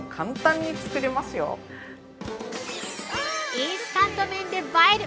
◆インスタント麺で映える！